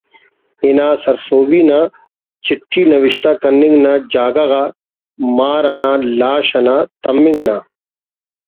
انا سرسہبی نا چٹھی نوشتہ کننگ نا جاگہ غا مار انا لاش انا تمنگ نا